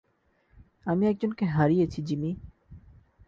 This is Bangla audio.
আমরা একজনকে হারিয়েছি, জিমি।